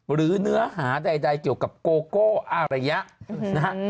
หรือเนื้อหาใดเกี่ยวกับโกโก้อารยะนะฮะ